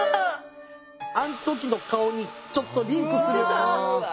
あん時の顔にちょっとリンクする。